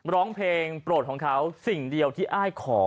ร้องเพลงโปรดของเขาสิ่งเดียวที่อ้ายขอ